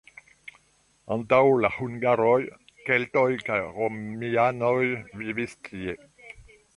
Antaŭ la hungaroj keltoj kaj romianoj vivis tie.